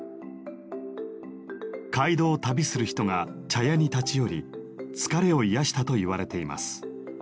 街道を旅する人が茶屋に立ち寄り疲れを癒やしたといわれています。